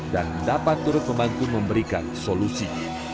dan dapat turut membantu memberikan solusi